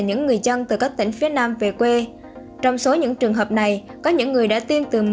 những người dân từ các tỉnh phía nam về quê trong số những trường hợp này có những người đã tiêm từ